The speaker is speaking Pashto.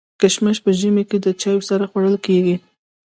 کشمش په ژمي کي د چايو سره خوړل کيږي.